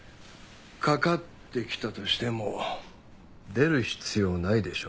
かかってきたとしても出る必要ないでしょう。